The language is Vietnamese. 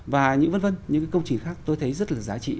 và những công trình khác tôi thấy rất là giá trị